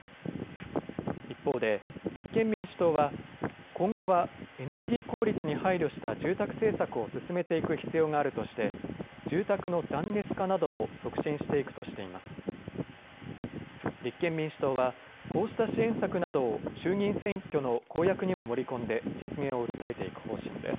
一方で、立憲民主党は、今後はエネルギー効率に配慮した住宅政策を進めていく必要があるとして、住宅の断熱化なども促進していくとしています。